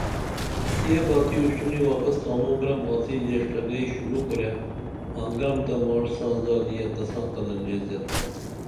یہ باتی اُشترونی واپس تانو گرم آڅی ژیڜٹہ گئی شروع کُرے آں گرم تہ ماڜ ساں زادیہ تساں قدر لے زِیت با